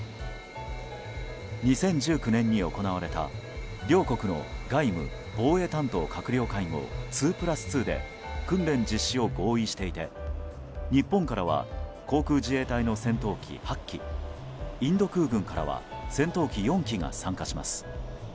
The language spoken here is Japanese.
２０１９年に行われた両国の外務・防衛担当閣僚会合・２プラス２で訓練実施を合意していて日本からは航空自衛隊の戦闘機８機インド空軍からは戦闘機４機が参加します。